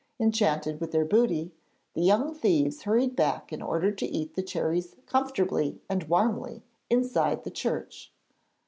Enchanted with their booty, the young thieves hurried back in order to eat the cherries comfortably and warmly inside the church.